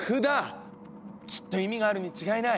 きっと意味があるに違いない！